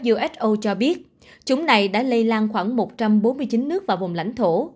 uso cho biết chúng này đã lây lan khoảng một trăm bốn mươi chín nước và vùng lãnh thổ